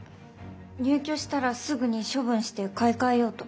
入居したらすぐに処分して買い替えようと。